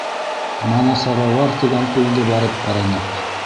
Манасаровар тигән күлде барып ҡараныҡ.